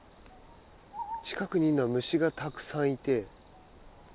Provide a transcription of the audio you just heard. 近くにいるのは虫がたくさんいて。